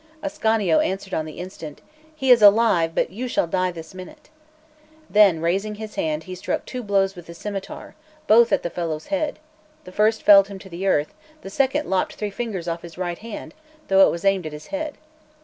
Ascanio answered on the instant: "He is alive, but you shall die this minute." Then, raising his hand, he struck two blows with the scimitar, both at the fellow's head; the first felled him to earth, the second lopped three fingers off his right hand, though it was aimed at his head.